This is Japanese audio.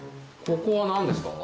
ここは何ですか？